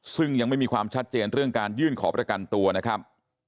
ซึ่งยังไม่มีความชัดเจนเรื่องการยื่นขอประกันตัวนะครับ